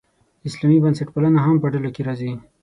اسلامي بنسټپالنه هم په ډله کې راځي.